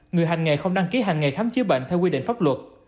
người hành nghề không đăng ký hành nghề khám chữa bệnh theo quy định pháp luật